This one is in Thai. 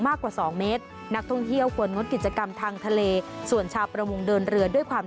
กว่าสองเมตรนักท่องเที่ยวควรงดกิจกรรมทางทะเลส่วนชาวประมงเดินเรือด้วยความ